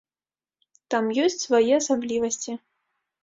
Там ёсць свае асаблівасці.